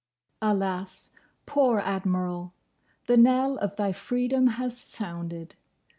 Alas, poor Admiral! The knell of thy freedom has sounded.